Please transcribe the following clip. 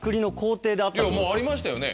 もうありましたよね。